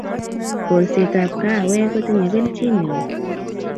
kolsetab kaawek kotinyei kelchin neoo